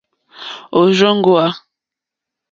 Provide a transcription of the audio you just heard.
Òrzòŋwá.